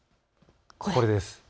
これです。